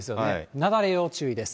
雪崩、要注意です。